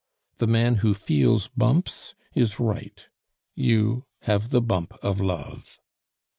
The man who feels bumps is right. You have the bump of love."